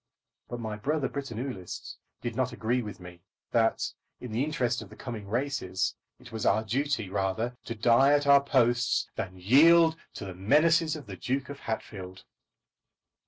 But my brother Britannulists did not agree with me that, in the interest of the coming races, it was our duty rather to die at our posts than yield to the menaces of the Duke of Hatfield.